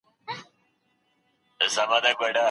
باید موږ د هغوی د ژوند کیسې خپلو ماشومانو ته ووایو.